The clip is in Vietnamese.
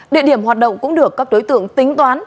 địa điểm hoạt động cũng được các đối tượng tính toán